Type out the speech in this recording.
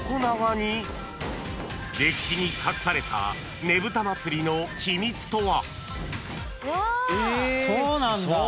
［歴史に隠されたねぶた祭の秘密とは！？］